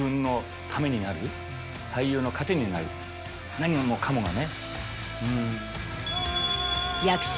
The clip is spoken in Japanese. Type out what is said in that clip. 何もかもがね。